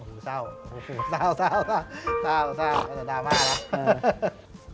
อื้ออูหูเศร้าเสื้นตามากแล้ว